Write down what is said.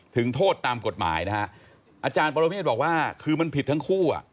โทษตามกฎหมายนะฮะอาจารย์ปรเมฆบอกว่าคือมันผิดทั้งคู่อ่ะ